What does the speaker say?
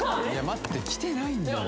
待ってきてないんだよね